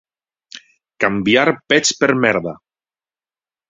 Canviar pets per merda.